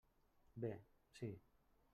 Bé, sí.